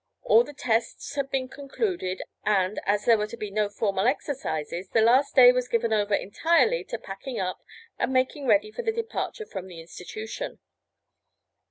All the tests had been concluded, and, as there were to be no formal exercises the "last day" was given over entirely to packing up, and making ready for the departure from the institution.